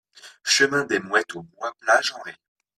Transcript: Chemin des Mouettes au Bois-Plage-en-Ré